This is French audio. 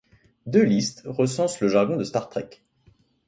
Deux listes recensent le jargon de Star Trek.